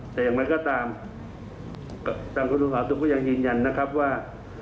แต่อย่างไรก็ตามทางคุณอรุทิศวาสูรคุณก็ยังยินยันนะครับว่า